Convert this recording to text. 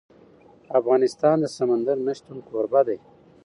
افغانستان د سمندر نه شتون کوربه دی.